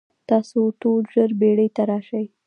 تاسو ټول ژر بیړۍ ته راشئ.